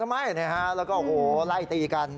ทำไมเขาทำไมแล้วก็ไล่ตีกัน